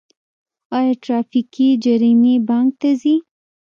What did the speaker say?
آیا ټرافیکي جریمې بانک ته ځي؟